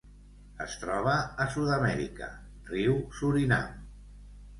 Es troba a Sud-amèrica: riu Surinam.